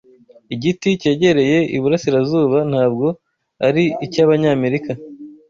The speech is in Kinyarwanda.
igiti cyegereye Iburasirazuba, ntabwo ari icy'Abanyamerika,